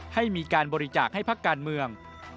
ให้มีการบริจาคให้พักการเมือง